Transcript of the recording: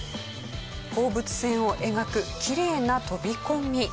放物線を描くきれいな飛び込み。